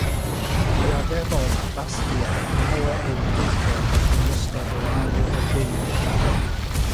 Dioddefodd Bastia lawer o ddifrod yn ystod yr Ail Ryfel Byd.